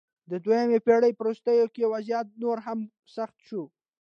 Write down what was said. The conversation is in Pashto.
د دویمې پېړۍ په وروستیو کې وضعیت نور هم سخت شو